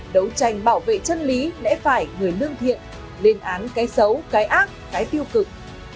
đấu tranh bảo vệ chân lý lẽ phải người lương thiện lên án cái xấu cái ác cái tiêu cực